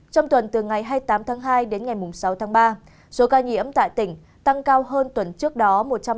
trong tuần từ ngày hai mươi tám tháng hai đến ngày sáu tháng ba số ca nhiễm tại tỉnh tăng cao hơn tuần trước đó một trăm linh